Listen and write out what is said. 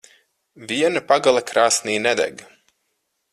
Viena pagale krāsnī nedeg.